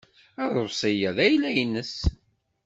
Aḍebsi-a d ayla-nnes.